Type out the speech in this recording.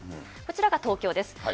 こちらが東京です。